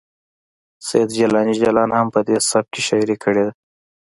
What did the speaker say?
سید جیلاني جلان هم په دې سبک کې شاعري کړې ده